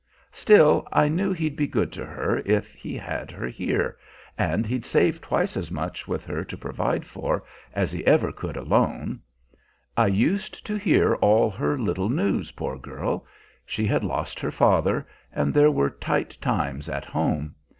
Still, I knew he'd be good to her if he had her here, and he'd save twice as much with her to provide for as he ever could alone. I used to hear all her little news, poor girl. She had lost her father, and there were tight times at home.